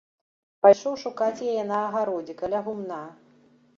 Пайшоў шукаць яе на агародзе каля гумна.